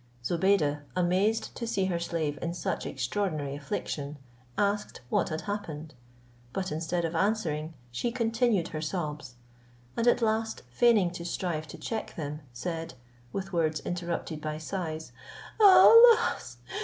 Zobeide, amazed to see her slave in such extraordinary affliction, asked what had happened; but, instead of answering, she continued her sobs; and at last feigning to strive to check them, said, with words interrupted with sighs, "Alas!